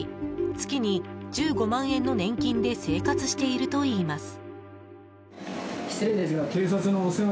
月に１５万円の年金で生活しているといいます。